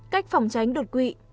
cách phòng tránh đột quỵ